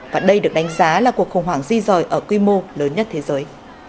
và đây được đánh giá là cuộc khủng hoảng di dời ở quy mô lớn nhất thế giới